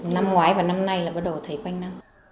năm ngoái và năm nay là bắt đầu thấy quanh năm